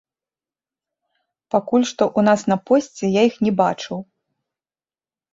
Пакуль што ў нас на посце я іх не бачыў.